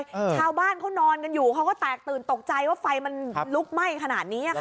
ชาวบ้านเขานอนกันอยู่เขาก็แตกตื่นตกใจว่าไฟมันลุกไหม้ขนาดนี้อ่ะค่ะ